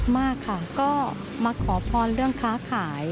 มากค่ะก็มาขอพรเรื่องค้าขาย